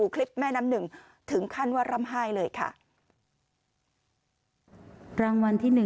คุณผู้ชมแม่น้ำหนึ่งเนี่ยระบายออกมาแบบอันอันที่สุด